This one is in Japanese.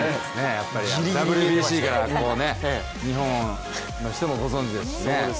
ＷＢＣから日本の人もご存じですしね。